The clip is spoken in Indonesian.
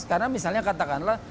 karena misalnya katakanlah